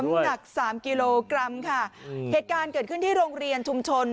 หนักสามกิโลกรัมค่ะเหตุการณ์เกิดขึ้นที่โรงเรียนชุมชน